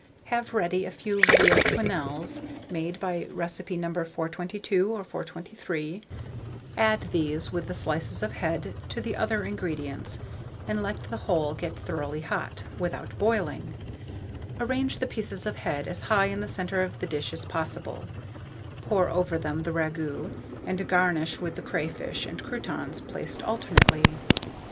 Have ready a few veal quenelles, made by recipe No. 422 or 423; add these, with the slices of head, to the other ingredients, and let the whole get thoroughly hot, without boiling. Arrange the pieces of head as high in the centre of the dish as possible; pour over them the ragout, and garnish with the crayfish and croûtons placed alternately.